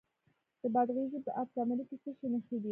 د بادغیس په اب کمري کې د څه شي نښې دي؟